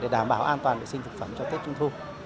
để đảm bảo an toàn vệ sinh thực phẩm cho tết trung thu